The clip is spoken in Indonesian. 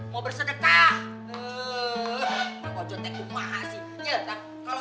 dua porsi bang ojo